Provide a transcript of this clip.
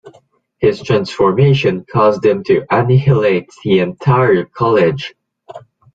His transformation caused him to annihilate the entire college.